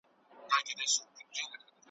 بازارونه مالامال دي له رنګونو `